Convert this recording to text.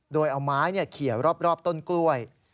โดยเอาไม้เขียวรอบต้นกล้วย